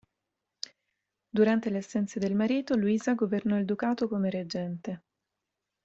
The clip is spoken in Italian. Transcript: Durante le assenze del marito Luisa governò il ducato come reggente.